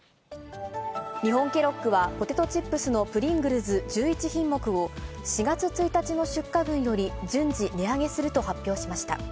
日本ケロッグは、ポテトチップスのプリングルズ１１品目を４月１日の出荷分より順次、値上げすると発表しました。